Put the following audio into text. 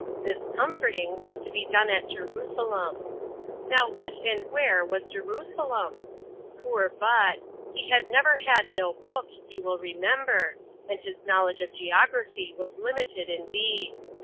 This "comforting" was to be done at Jerusalem. Now what and where was Jerusalem ? Poor Bud ! he had " never had no book," you will remember, and his knowl edge of geography was limited indeed.